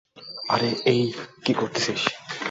আরে এই, কী করতেছিস?